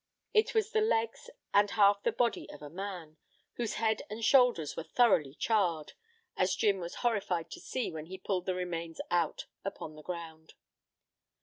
It was the legs and half the body of a man, whose head and shoulders were thoroughly charred, as Jim was horrified to see when he pulled the remains out upon the ground.